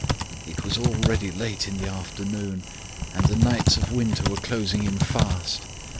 "It was already late in the afternoon, and the nights of winter were closing in fast.